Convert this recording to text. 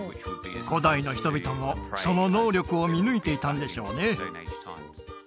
古代の人々もその能力を見抜いていたんでしょうね